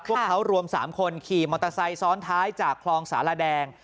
พวกเขารวม๓คนขี่มอเตอร์ไซค์ซ้อนท้ายจากคลองสารแดง